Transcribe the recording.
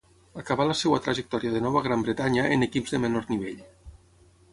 Acabà la seva trajectòria de nou a Gran Bretanya en equips de menor nivell.